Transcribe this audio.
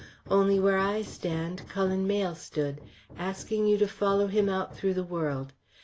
Only where I stand Cullen Mayle stood, asking you to follow him out through the world.